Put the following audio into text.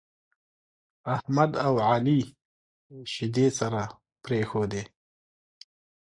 احمد او عالي شيدې سره پرېښودې.